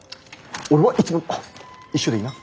俺はいつもの。